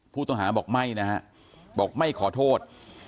ผู้ต้องหาบอกไม่นะฮะบอกไม่ขอโทษ